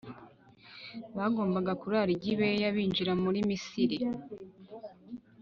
bagombaga kurara i Gibeya Binjira muri misiri